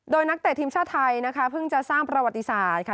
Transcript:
โดยนักเตะทีมชาติไทยนะคะเพิ่งจะสร้างประวัติศาสตร์ค่ะ